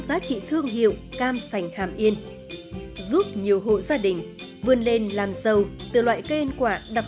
giá trị thương hiệu cam sành hàm yên giúp nhiều hộ gia đình vươn lên làm giàu từ loại cây ăn quả đặc